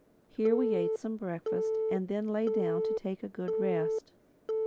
Here we ate some breakfast and then lay down to take a good rest.